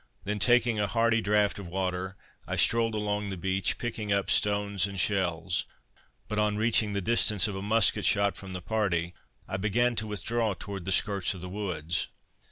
Then taking a hearty draught of water, I strolled along the beach, picking up stones and shells; but on reaching the distance of a musket shot from the party, I began to withdraw towards the skirts of the woods.